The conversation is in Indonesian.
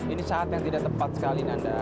ini saat yang tidak tepat sekali nanda